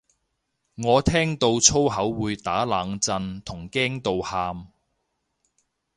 我聽到粗口會打冷震同驚到喊